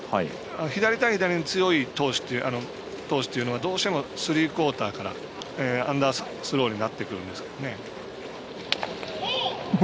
左対左に強い投手というのはどうしてもスリークオーターからアンダースローになってくるんですよね。